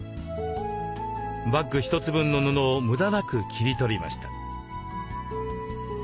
バッグ一つ分の布を無駄なく切り取りました。